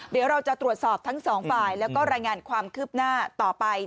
เดี๋ยวเราจะตรวจสอบทั้งสองฝ่ายแล้วก็รายงานความคืบหน้าต่อไป